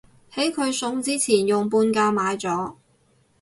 喺佢送之前用半價買咗